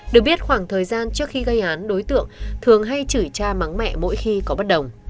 được biết khoảng thời gian trước khi gây án đối tượng thường hay chửi cha mắng mẹ mỗi khi có bất đồng